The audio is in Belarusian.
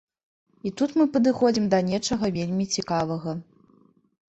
І тут мы падыходзім да нечага вельмі цікавага.